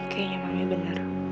kayaknya mami benar